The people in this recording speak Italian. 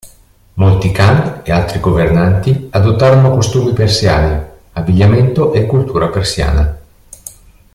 Molti khan e altri governanti adottarono costumi persiani, abbigliamento e cultura persiana.